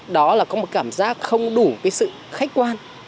đó là có một cảm giác không đủ cái sự khách quan